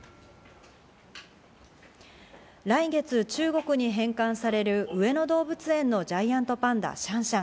来月、中国に返還される、上野動物園のジャイアントパンダ・シャンシャン。